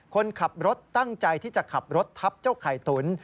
คนขับรถตั้งใจที่จะขับรถทับเจ้าไข่ตุ๋น